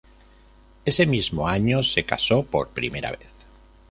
Ese mismo año se casó por primera vez.